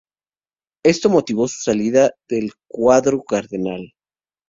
Esto motivó su salida del cuadro cardenal.